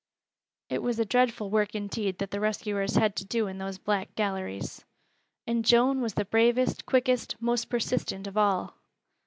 It was a dreadful work indeed that the rescuers had to do in those black galleries. And Joan was the bravest, quickest, most persistent of all.